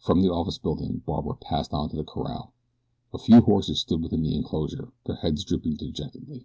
From the office building Barbara passed on to the corral. A few horses stood within the enclosure, their heads drooping dejectedly.